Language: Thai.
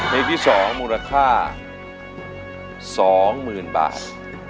เพลงที่๒มูลค่า๒๐๐๐๐บาท